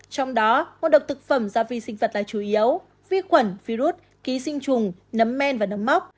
trong đó ngộ độc thực phẩm do vi sinh vật là chủ yếu vi khuẩn virus ký sinh trùng nấm men và nấm mốc